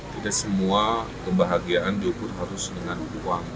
tidak semua kebahagiaan diukur harus dengan uang